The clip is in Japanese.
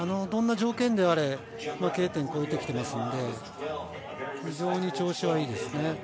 どんな条件であれＫ点を越えてきていますので、非常に調子はいいですね。